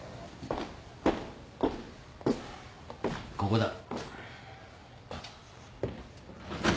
ここだ。